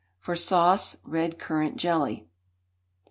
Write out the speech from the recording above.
For sauce, red currant jelly.